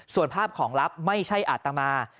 ส่วนภาพของลับไม่ใช่อาตมา